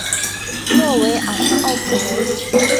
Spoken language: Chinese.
诺维昂奥普雷。